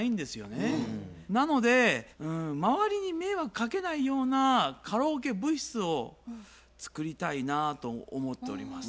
なので周りに迷惑かけないようなカラオケブースを作りたいなと思っております。